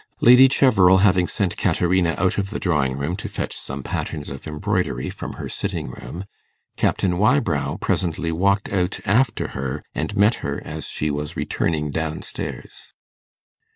Lady Cheverel having sent Caterina out of the drawing room to fetch some patterns of embroidery from her sitting room, Captain Wybrow presently walked out after her, and met her as she was returning down stairs.